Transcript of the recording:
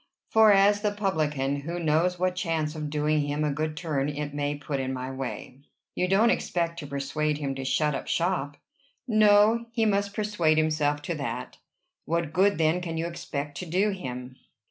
As for the publican, who knows what chance of doing him a good turn it may put in my way?" "You don't expect to persuade him to shut up shop?" "No: he must persuade himself to that." "What good, then, can you expect to do him?"